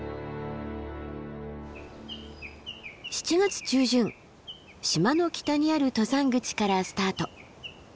７月中旬島の北にある登山口からスタート。